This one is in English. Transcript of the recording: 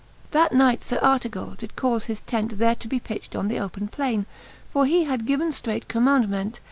X. That knight Sir Artegall did caufe his tent There to be pitched on the open plainc ; For he had given ftreight commaundment.